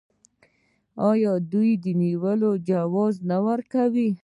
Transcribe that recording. آیا دوی د نیولو جواز نه ورکوي؟